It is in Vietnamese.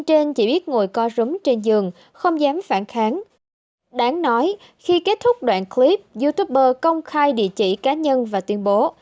trước đoạn clip youtuber công khai địa chỉ cá nhân và tuyên bố